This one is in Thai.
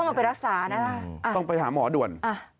ต้องเอาไปรักษานะอ่ะสรุปชื่อต้องไปหาหมอด่วน